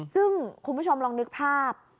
ซึ่งคุณผู้ชมลองนึกภาพ